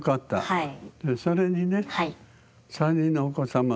はい。